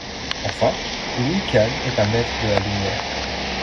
Enfin, Louis Kahn est un maître de la lumière.